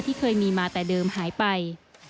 ที่เคยมีมาแต่เดิมหายไป